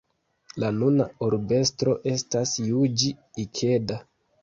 La nuna urbestro estas Juĝi Ikeda.